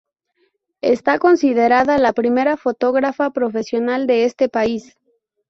Está considerada la primera fotógrafa profesional de este país.